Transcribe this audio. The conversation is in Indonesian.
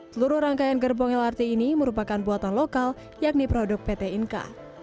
seluruh rangkaian gerbong lrt ini merupakan buatan lokal yakni produk pt inka